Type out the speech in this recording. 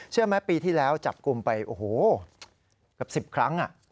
เชื่อไหมปีที่แล้วจับกลุ่มไปกับ๑๐ครั้ง